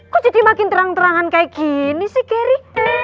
kok jadi makin terang terangan kayak gini sih keri